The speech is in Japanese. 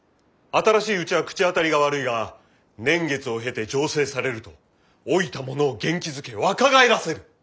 新しいうちは口当たりが悪いが年月を経て醸成されると老いた者を元気づけ若返らせる」。